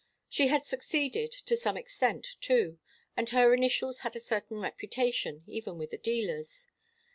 She had succeeded to some extent, too, and her initials had a certain reputation, even with the dealers.